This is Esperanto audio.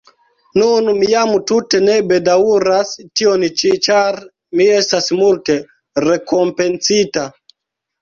Nun mi jam tute ne bedaŭras tion ĉi, ĉar mi estas multe rekompencita!